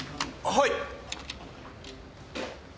はい？